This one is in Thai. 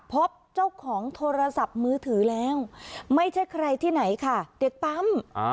พบเจ้าของโทรศัพท์มือถือแล้วไม่ใช่ใครที่ไหนค่ะเด็กปั๊ม